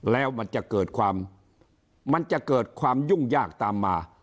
แล้วมันจะเกิดความยุ่งยากตามมา